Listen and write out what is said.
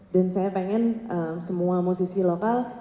dan saya pengen semua musisi lokal